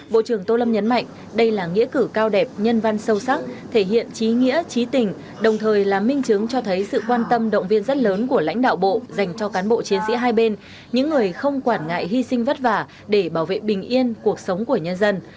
bộ trưởng tô lâm nhấn mạnh đây là nghĩa cử cao đẹp nhân văn sâu sắc thể hiện trí nghĩa trí tình đồng thời là minh chứng cho thấy sự quan tâm động viên rất lớn của lãnh đạo bộ dành cho cán bộ chiến sĩ hai bên những người không quản ngại hy sinh vất vả để bảo vệ bình yên cuộc sống của nhân dân